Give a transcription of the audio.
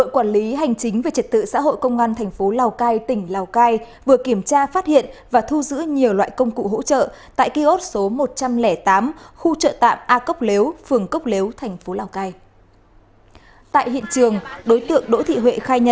các bạn hãy đăng ký kênh để ủng hộ kênh của chúng mình nhé